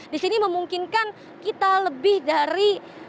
di sini memungkinkan kita lebih dari